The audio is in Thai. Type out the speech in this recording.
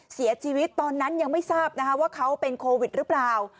เสียชีวิตตอนนั้นยังไม่ทราบว่าเขาเป็นโควิดหรือเปล่า